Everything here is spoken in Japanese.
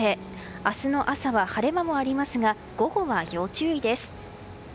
明日の朝は晴れ間もありますが午後は要注意です。